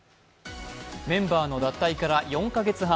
メンバーの脱退から４カ月半。